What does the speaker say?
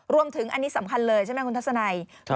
รวมถึงอันนี้สำคัญเลยใช่ไหมคุณทัศนัย